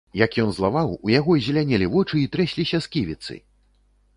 Як ён злаваў, у яго зелянелі вочы і трэсліся сківіцы!